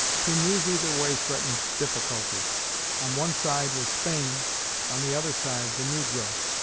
To move either way threatened difficulty. On one side was Spain, on the other side the negro.